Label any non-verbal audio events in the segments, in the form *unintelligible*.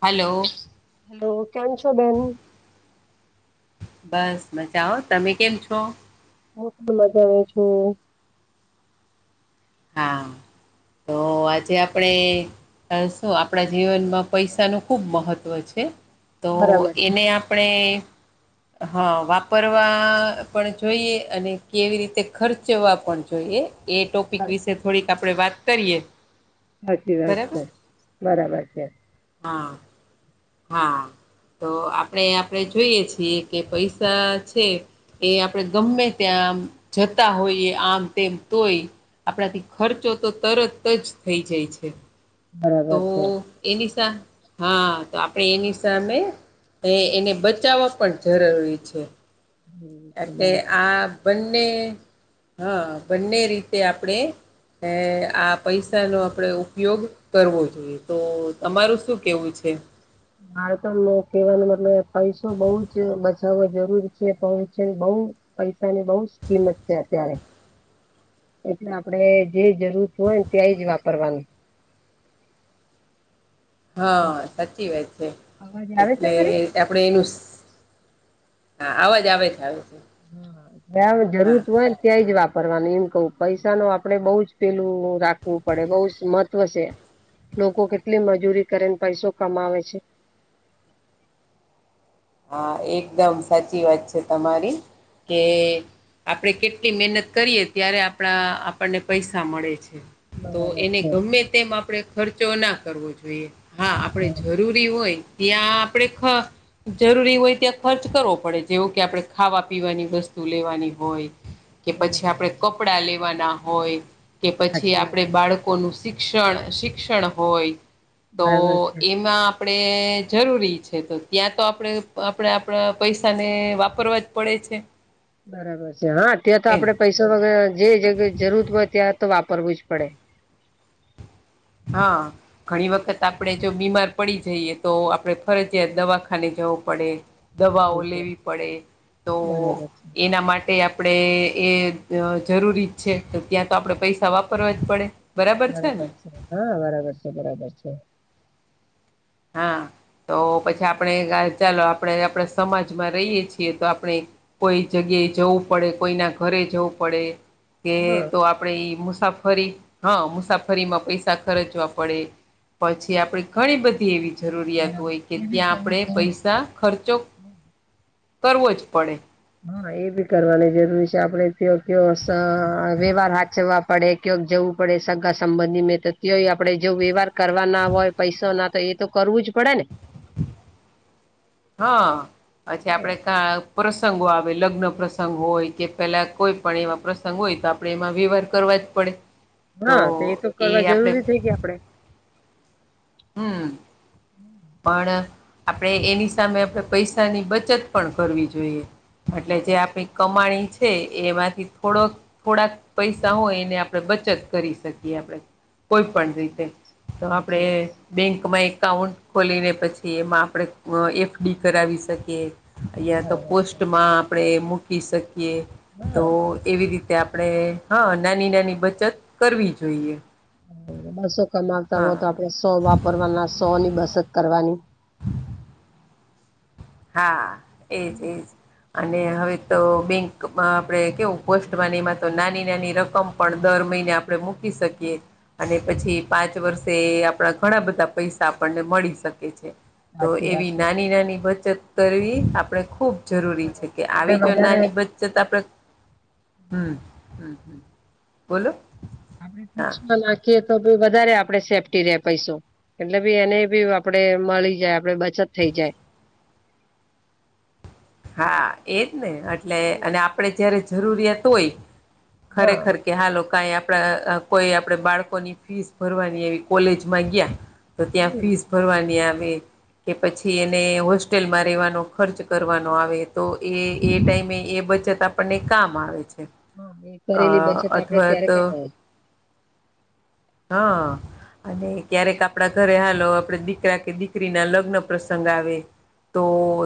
Hello hello કેમ છો બેન બસ મજાઓ તમે કેમ છો હું ખુબ મજા આવે છું. હા તો આજે આપણે શું આપણા જીવનમાં પૈસાનું ખુબ મહત્ત્વ છે તો બરાબર છે એને આપણે હા વાપરવા પણ જોઈએ અને કેવી રીતે ખર્ચવા પણ જોઈએ એ ટોપિક વિશે થોડીક આપડે વાત કરીએ સાચી વાત બરાબર છે બરાબર છે. હા હા તો આપણે આપણે જોઈએ છીએ કે પૈસા છે. એ આપણે ગમે ત્યાંમ જતા હોઈએ આમ તેમ તોય આપણાથી ખર્ચો તો તરત જ થઈ જાય છે. તો બરાબર છે એની સા હા તો આપડે એની સામે એ એને બચાવવા પણ જરૂરી છે. એટલે બરાબર. આ બંને હા બંને રીતે આપણે એ આ પૈસાનો આપણે ઉપયોગ કરવો જોઈએ. તો તમારું શું કેવું છે. બાળક ન કહેવાનો મતલબ પૈસો બઉુ જ બચાવવાો જરૂર છે પ છે બઉુ પૈસા ની બહુ જ કિંમત છે અત્યારે એટલે આપડે જે જરૂર હો હોય ને ત્યાંય જ વાપરવાનું- - હા સાચી વાત છે અવાજ આવે છે મારી? એટલે- - આપડે એનું હા અવાજ આવે છે આવે છે. હા જરૂરત હોય ને? ત્યાં જ વાપરવાનું એમ કવું પૈસા ન આપડે બહુ જ પેલું રાખવું પડે બઉુ જ મહત્વ છે. લોકો કેટલી મજૂરી કરેને પૈસો કમાવે છે. હા એકદમ સાચી વાત છે તમારી કે- - આપણે કેટલી મહેનત કરીએ ત્યારે આપણા આપણને પૈસા મળે છે. તો બરાબર એને છે ગમે તેમ આપડે- - ખર્ચો ના કરવો જોઈએ હા આપણે હમ, જરૂરી હોય ત્યાં આપણે- - જરૂરી હોય ત્યાં ખર્ચ કરવો પડે જેવો કે આપણે ખાવા પીવાની વસ્તુ લેવાની હોય- - કે પછી બરાબર છે આપડે કપડા લેવાના હોય કે પછી સાચી વાત આપડે છે બાળકો- - ન શિક્ષણ શિક્ષણ હોય તો બરાબર છે એમાં- - આપણે જરૂરી છે તો ત્યાં- - તો આપણે આપણે આપણા પૈસાને વાપરવા જ પડે છે. બરાબર છે હા ત્યાં તો એમ આપડે પૈસા વગ જે જગ્યા જરૂર હોય ત્યાં તો વાપરવું જ પડે હા- - ઘણી વખત આપણે જો બીમાર પડી જઈએ તો આપડણે ફરજયાત દવાખાને જવું પડે દવાઓ લેવી પડે તો બરાબર બરાબર છે એના માટે આપ- - આપણે એ જરૂરી જ છે તો ત્યાં તો આપણે પૈસા વાપરવા જ પડે બરાબર છે હા બરાબર છે બરાબર છે. હા તો પછી આપણે ચાલો આપણે આપણે સમાજમાં રહીએ છીએ તો આપણે- - કોઈ જગ્યાએ જવું પડે કોઈના ઘરે જવું પડે કે તો- બરાબર - આપણે મુસાફરી હા મુસાફરીમાં પૈસા ખર્ચવા પડે- - પછી આપણે ઘણી બધી એવી જરૂરિયાત હોય કે એ બી ત્યાં કરવું આપણે જરૂરી છે પૈસા હા ખર્ચો- - કરવો જ પડે- - હા એ બી કરવાની જરૂરી છે, આપડે *unintelligible* વ્યવહાર *unintelligible* - - પડે *unintelligible* જવું પડે સગા સંબંધી મેં તો તય આપડે જો વ્યવહાર કરવા ના હોય- - *unintelligible* ના તો એ તો કરવું જ પડે ને? હા પછી આપડે ક- - પ્રસંગો આવે લગ્ન પ્રસંગ હોય કે પેલા કોઈ પણ એવા પ્રસંગ હોય તો આપણે એમાં વ્યવહાર કરવા જ પડે? તો એ આપડે- - આપણે- - હમ. પણ આપણે એની સામે આપણે પૈસાની બચત પણ કરવી જોઈએ. એટલે જે બરાબર છે આપણી કમાણી છે, એમાંથી થોડોક- - થોડાક પૈસા હોય એને આપણે બચત કરી શકીએ આપણે- - કોઈ પણ રીતે તો સાચી સાચી આપણેે- વાત છે - બેન્કમાં એકાઉન્ટ ખોલીને પછી એમાં આપણે એફડી કરાવી શકીએ- - *unintelligible* તો બરાબર છે. પોસ્ટમાં આપણે મૂકી શકીએ તો- - એવી રીતે આપણેે હા નાની નાની બચત કરવી. જોઈએ બસો કમાવતા હોય હા તો આપડણે સો વાપરવાના સો ની બસત કરવાની. હા એજ એજ અને હવે- - તો બેંકમાં આપણે કેવું પોસ્ટમાંની એમાં તો નાની નાની રકમ પણ દર મહિને આપણે મૂકી શકીએ- - અને પછી પાંચ વર્ષે આપણા ઘણા બધા પૈસા આપણને મળી શકે છે. તો સાચી વાત એવી છે નાની નાની બચત કરવી આપડણે ખુબ- - જરૂરી છે, કે આપડે આવી જો વધારે નાની બચત આપણે હમ હમ- - બોલો? આપડ ફિક્સમાં નાખીએ તો ભી વધારે આપડે સેફ્ટી રે પૈસો- - એટલે બી એને બી આપડે મળી જાય આપડે બચત થઈ જાય. હા એજ ને એટલે અને આપડે જયારે જરૂરિયાત હોય ખરેખર કે હા લોકા *unintelligible* કોઈ આપે બાળકો ની ફીસ ભરવાની એવી કોલેજમાં ગીયા તો ત્યાં હમ ફીસ ફરવાની આવે કે પછી એને હોસ્ટેલમાં રેવાનો ખર્ચ કરવાનો આવે તો એ ટાઈમે એ બચત આપણને કામ આવે છે હા એ અ કરેલી બચત આપડે અથવા ત્યારે તો કામ આવે હ અને ક્યારેક આપણા ઘરે હાલો આપડે દીકરા કે દીકરી ના લગ્ન પ્રસંગ આવે તો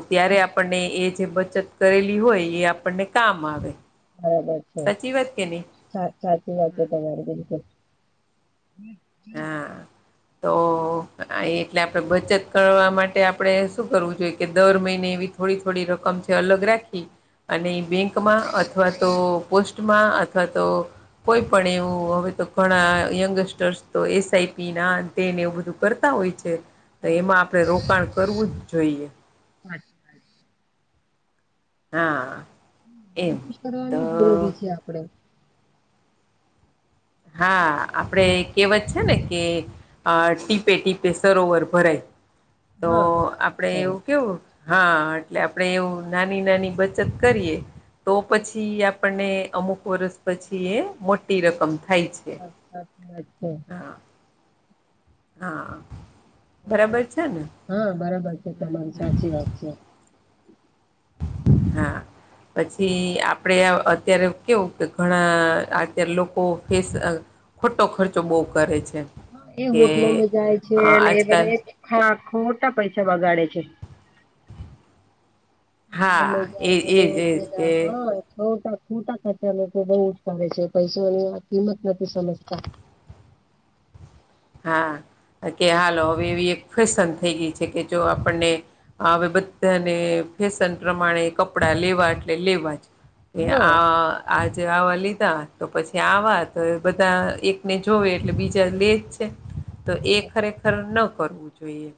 ત્યારે આપણને એ જે બચત કરેલી હોય એ આપણને કામ આવે બરાબર છે. સાચી વાત કેની સા સાચી વાત તમારી *unintelligible* હા તો એટલે આપણેે બચત કરવા માટે આપણે શું કરવું જોઈએ કે દર મહિને એવી થોડી થોડી રકમ, *unintelligible* અલગ રાખી અને બેંકમાં અથવા તો પોસ્ટમાં અથવા તો કોઈ પણ એવું અવે તો ઘણા યંગસ્ટર્સ તો એસ આઈ પી ને આતે એવું બધું કરતા હોય છે, તો એમાં આપણેે રોકાણ કરવું જ જોઈએ. *inaudible* હા એમ *inaudible* તો કરવાની જરૂરી છે, આપડે હા આપડે કેવત છે, ને કે અ ટીપે ટીપે સરોવર ભરાય તો હા બરાબર આપડે છે એવું કેવું હા એટલે આપણેે એવું નાની નાની બચત કરીએ તો પછી આપણને અમુક વર્ષ પછી એ મોટી રકમ થાય છે. હા, સાચી વાત છે. હા હા હા બરાબર છે ને? હા બરાબર છે. તમારી સાચી વાત છે. હા. પછી આપડે અ અત્યારે કેવું કે ઘણા આત્યારે લોકો ફેસ અ ખોટો ખર્ચો બહુ કરે છે એમ. હહ એ હોટલોમાં જાય છે, અને એ આજકાલ બધા એ ખોટા પૈસા બગાડે છે. *inaudible* હહ હા એ એજ એજ કે ખોટા ખોટા ખર્ચા લોકો બહુ જ કરે છે. પૈસાની આ કિંમત નથી સમજતા. હા કે હાલો હવે એવી એક ફેશન થઈ ગઈ છે કે જો આપણને હહ હવે બધાને ફેશન પ્રમાણે કપડા લેવા એટલે લેવા જ. એ હા આ આજે આવા લીધા તો પછી આવા તો એ બધા એકને જોવે એટલે બીજા લેજ. તે તો એ ખરેખર ન કરવું જોઈએ.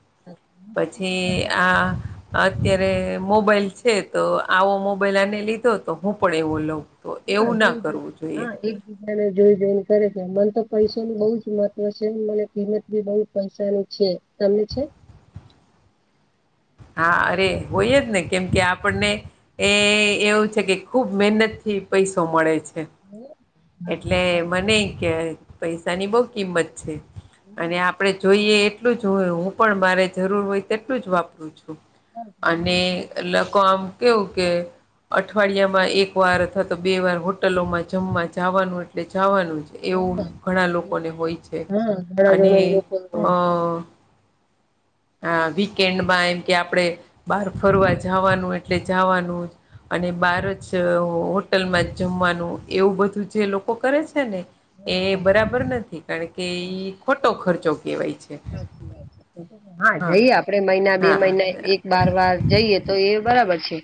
પછી આ અત્યારે મોબાઈલ છે તો આવો મોબાઈલ આને લીધો તો હું પણ એવો લઉં. તો એવું ના કરવું જોઈએ. બીજાને જોઈ જોઈને કરે છે. મન તો પૈસાનું બઉ જ મહત્વ છે, મને કિંમત ભી બઉ પૈસાની છે. તમને છે? હા અરે! હોય જ ને કેમ કે આપણને એ એવું છે કે ખુબ મહેનતથી પૈસો મળે છે. હા એટલે મને કે પૈસાની બહુ કિંમત છે. અને આપ આપણે જોઈએ એટલું જ હોય, હું પણ મારે જરૂર હોય તેટલું જ વાપરું છું. હા. અને અલ લોકો આમ કેવું કે અઠવાડિયામાં એક વાર અથવા તો બે વાર હોટલોમાં જમવા જા જાવાનું એટલે જાવાનું જ એવું હા ઘણા લોકોને હોય છે. હા ઘણા અને જણા લોકો અ આ વીકેન્ડમાં એમ કે આપણે બહાર ફરવા જાવાનું એટલે જાવાનું જ. અને બાર જ હોટલમાં જ જમવાનું એવું બધું જે લોકો કરે છે ને એ બરાબર નથી. કારણ કે ઈ ખોટો ખર્ચો કેવાય છે. સાચી વાત છે. હા જઈએ આપડે મહિના બે હા મહિના એક બાર વાર જઈએ તો એ બરાબર છે.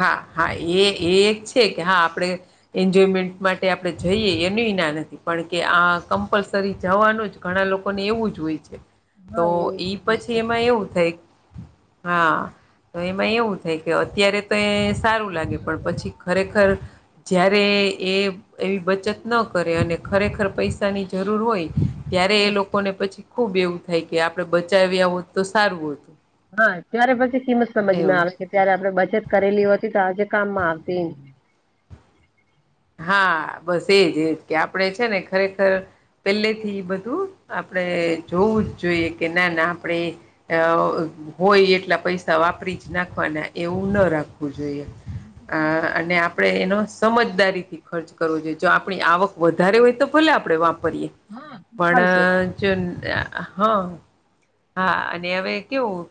હા હા એ એ એક છે કે હા આપણે ઈન્જોયમેન્ટ માટે આપણે જઈએ એનુંય ના નથી. પણ કે આ કમ્પલસરી જવાનું જ ઘણા લોકોને એવું જ હોય છે. તો હા એવું ઈ જોઈએ પછી છે એમાં એવું થાય હા તો એમાં એવું થાય કે અત્યારે તે સારું લાગે પણ પછી ખરેખર જ્યારે એ એવી બચત ન કરે અને ખરેખર પૈસાની જરૂર હોય ત્યારે એ લોક કોને પછી ખુબ એવું થાય કે આપડે બચાવ્યા હોત તો સારું હોતું. હા ત્યારે પછી કિંમત સમજમાં આવે કે ત્યારે આપણે બચત કરેલી હોતી તો આજે કામમાં આવતી. હા બસ એજ એજ કે આપડે છે ને ખરેખર પેલેથી ઈ બધું આપણે જોવું જ જોઈએ. કે ના ના આપણે અ હોય એટલા પૈસા વાપરી જ નાખવાના એવું ન રાખવું જોઈએ. અ અને આપડે એનો સમજદારી થી ખર્ચ કરવો જોઈએ. જો આપણી આવક વધારે હોય તો ભલે આપણે વાપરીએ. આવશે પણ જો‌ હહ હા અને હવે કેવુંક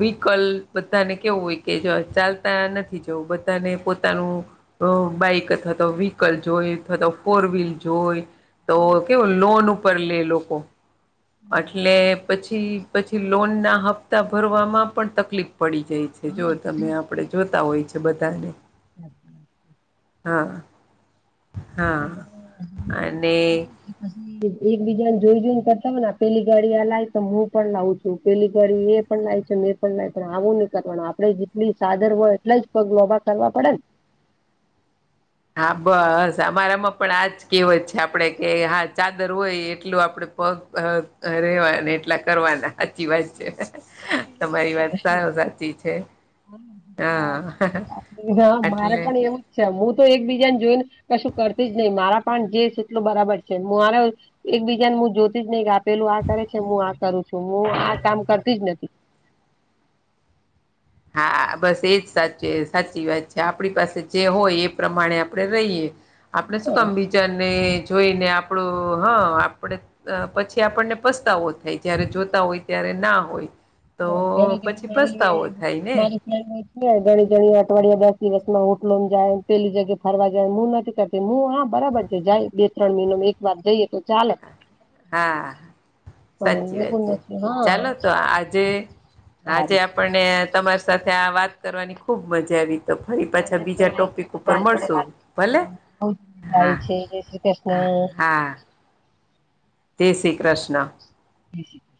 વિકલ્પ બધાને કેવું હોય કે જો ચાલતા નથી જવું, બધાને પોતાનું અ બાઈક અથવા ત તો વ્હીકલ જોય અથવા તો ફોરવ્હીલ જોય તો કેવું લોન ઉપર લે લોકો- એટલે પછી પછી લોનના હપ્તા ભરવામાં પણ તકલીફ પડી જાય છે. જો તમે આપડ જોતા હોય છે બધાને હા- હા અને *inaudible* પછી એકબીજા ને જોઈ જોઈને કરતા હોય પેલી ગાડી આ લાવ તો હું પણ લાવું છું પેલી ગાડી એ- પણ લાય છે મેં પણ લ છે આવું નઈ કરવાનું આપડે જેટલી ચાદર હોય એટલા જ પગ લોભા કરવા પડે ને- હા બસ અમારામાં પણ આજ કેવત છે આપડે કે હા ચાદર હોય એટલું આપડે- પગ રેવા એટલા કરવાના- સાચી વાત છે તમારી વાત સાવ સાચી છે. હા હા મારે અટલે- પણ એવું જ હું તો એકબીજાને જોઈને કશું કરતી જ નહી મારા પણ જે છે એટલો બરાબર છે મારે- એકબીજાને હું જોતી જ નહી કે આપેલું આ કરે છે હું આ કરું છું હું આ કામ કરતી જ નથી. હા બસ એજ સાચી સાચી વાત છે આપણી પાસે જે હોય એ પ્રમાણે આપણે રહીએ- આપણેે શું કામ- ને જોઈને આપણું હા આપડે પછી આપણને પસ્તાવો- જયારે જોતા હોય ત્યારે ના હોય તો પછી પસ્તાવો હ- મારે- ઘણી ઘણી અઠવાડિયા દસ દિવસ માં હોટલોમ જાય પેલી જગ્યા ફરવા જાય હું નથી કર- હું હા બરાબર છે જાય બે ત્રણ મહિનો એક વાર જઈએ તો ચાલે- હા સાચી પણ વાત એવું છે નથી હા ચાલો તો આજે- આજે સારું આપણને તમારી સાથે આ વાત કરવાની ખુબ મજા આવી. તો ફરી પાછા મને બીજા પણ ટોપિક ઉપર તમા જોડે મળશું વાત ભલે કરવાની બોજ મજા હા આવી છે. જય શ્રીકૃષ્ણા- ને જયશ્રી કૃષ્ણા- બેસી *unintelligible*